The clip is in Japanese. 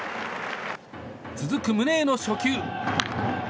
続く、宗への初球。